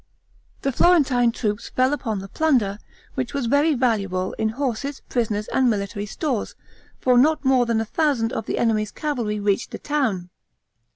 The Florentine troops fell upon the plunder, which was very valuable in horses, prisoners, and military stores, for not more than a thousand of the enemy's cavalry reached the town.